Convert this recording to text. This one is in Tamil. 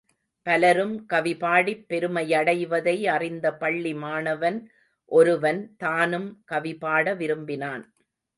பலரும் கவிபாடிப் பெருமையடைவதை அறிந்த பள்ளி மாணவன் ஒருவன் தானும் கவிபாட விரும்பினான்.